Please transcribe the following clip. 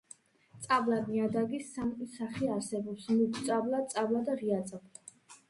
წაბლა ნიადაგის სამი სახე არსებობს: მუქ წაბლა, წაბლა და ღია წაბლა.